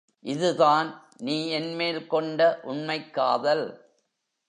இதுதான் நீ என்மேல்கொண்ட உண்மைக் காதல்!